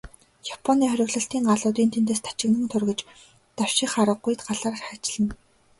Японы хориглолтын галууд энд тэндээс тачигнан тургиж, давших аргагүй галаар хайчилна.